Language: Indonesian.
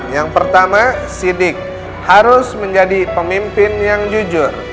yang pertama sidik harus menjadi pemimpin yang jujur